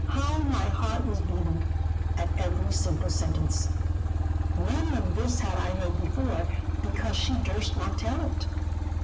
How my heart was beating, at every simple sentence. None of this had I heard before, because she durst not tell it.